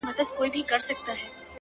نن بيا يوې پيغلي په ټپه كـي راتـه وژړل،